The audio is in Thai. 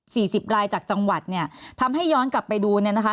สิบรายจากจังหวัดเนี่ยทำให้ย้อนกลับไปดูเนี่ยนะคะ